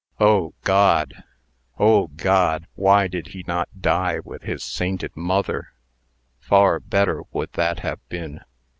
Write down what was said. O God! O God! Why did he not die with his sainted mother! Far better would that have been.